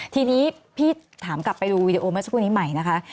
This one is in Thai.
ทีนี้พี่ถามกลับไปดูวีดีโอเมื่อสักครู่นี้ใหม่นะคะ